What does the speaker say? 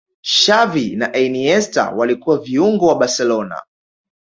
Xavi na Iniesta walikuwa viungo wa barcelona